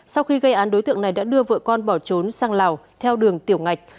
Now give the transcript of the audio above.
sau khi gây án đối tượng này đã đưa vợ con bỏ trốn sang lào theo đường tiểu ngạch